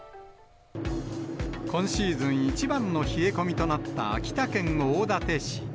今シーズン一番の冷え込みとなった秋田県大館市。